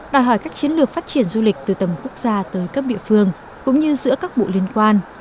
đòi hỏi các chiến lược phát triển du lịch từ tầm quốc gia tới cấp địa phương cũng như giữa các bộ liên quan